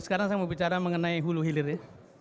sekarang saya mau bicara mengenai hulu hilir ya